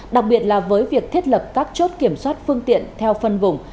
đặc biệt là với việc thiết lập các chốt kiểm soát phương tiện theo phân vùng